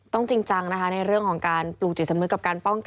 จริงจังนะคะในเรื่องของการปลูกจิตสำนึกกับการป้องกัน